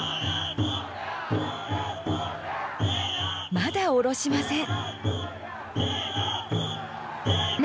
まだ下ろしません。